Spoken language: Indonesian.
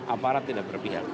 aparat tidak berpihak